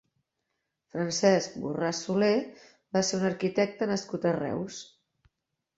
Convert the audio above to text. Francesc Borràs Soler va ser un arquitecte nascut a Reus.